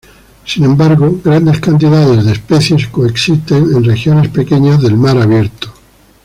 Sin embargo grandes cantidades de especies coexisten en regiones pequeñas del mar abierto.